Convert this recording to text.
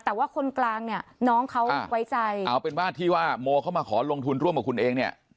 แต่ว่าคนกลางเนี่ยน้องเขาไว้ใจเอาเป็นว่าที่ว่าโมเข้ามาขอลงทุนร่วมกับคุณเองเนี่ย